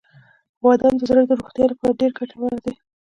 • بادام د زړه د روغتیا لپاره ډیره ګټور دی.